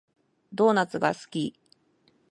ドーナツが好き